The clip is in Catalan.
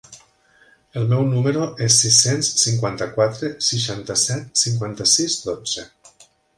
El meu número és sis-cents cinquanta-quatre seixanta-set cinquanta-sis dotze.